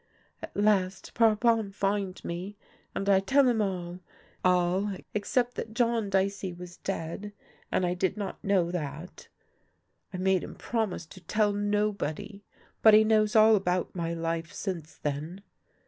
At last Parpon find me, and I tell him all — all except that John Dicey was dead, and I did not know that. I made him promise to tell nobody, but he knows all about my life since then.